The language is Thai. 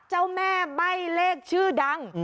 เจ้าแม่ใบ้เลขชื่อดัง